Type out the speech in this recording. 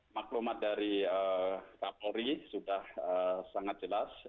maklumat dari kapolri sudah sangat jelas